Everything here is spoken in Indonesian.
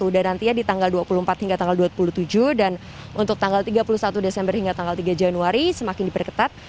dan nantinya di tanggal dua puluh empat hingga tanggal dua puluh tujuh dan untuk tanggal tiga puluh satu desember hingga tanggal tiga januari semakin diperketat